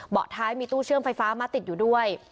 ท้ายมีตู้เชื่อมไฟฟ้ามาติดอยู่ด้วย